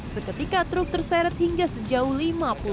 seketika truk terseret hingga sejauh lalu